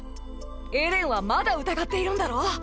エレンはまだ疑っているんだろう